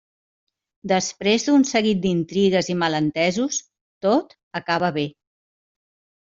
Després d'un seguit d'intrigues i malentesos, tot acaba bé.